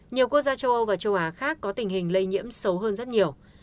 nhiều quốc gia châu âu và châu á khác có tình hình lây nhiễm xấu hơn rất nhiều